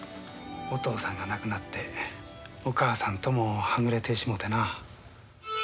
お父さんが亡くなってお母さんともはぐれてしもうてな。